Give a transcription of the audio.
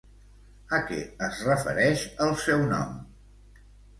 A què es refereix el seu nom?